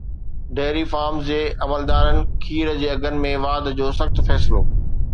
dairy farms جي عملدارن کير جي اگهن ۾ واڌ جو سخت فيصلو